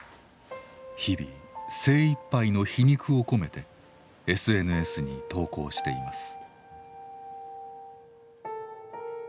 日々精いっぱいの皮肉を込めてＳＮＳに投稿しています。